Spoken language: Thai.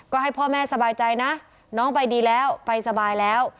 ก็ให้พ่อแม่สบายใจนะน้องไปดีแล้วไปสบายแล้ว